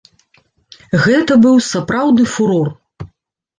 Гэта быў сапраўдны фурор.